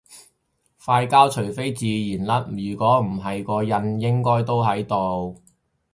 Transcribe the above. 塊焦除非自然甩如果唔係個印應該都仲喺度